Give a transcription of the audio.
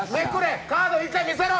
カード１回見せろ！